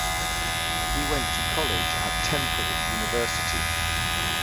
He went to college at Temple University.